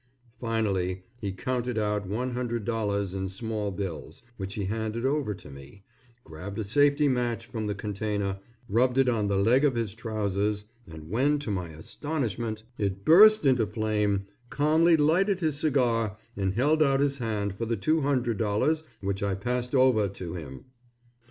Finally, he counted out $100 in small bills, which he handed over to me, grabbed a safety match from the container, rubbed it on the leg of his trousers, and when to my astonishment, it burst into flame, calmly lighted his cigar and held out his hand for the $200 which I passed over to him.